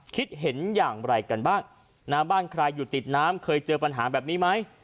คิดเห็นอย่างไรกันบ้างน้ำบ้านใครอยู่ติดน้ำเคยเจอปัญหาแบบนี้ไหม